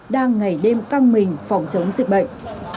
đang ngày đêm căng mình phòng chống dịch bệnh